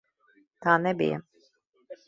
Tā nebija!